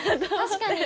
確かに。